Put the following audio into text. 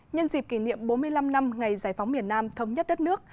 nhân dịp kỷ niệm bốn mươi năm năm ngày giải phóng miền nam thống nhất đất nước